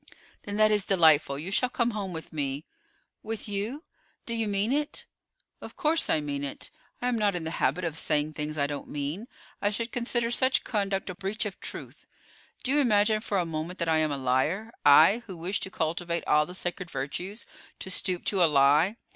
"Then that is delightful; you shall come home with me." "With you? Do you mean it?" "Of course I mean it. I am not in the habit of saying things I don't mean. I should consider such conduct a breach of truth. Do you imagine for a moment that I am a liar; I, who wish to cultivate all the sacred virtues, to stoop to a lie.